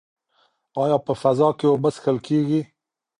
ایا په فضا کې اوبه څښل کیږي؟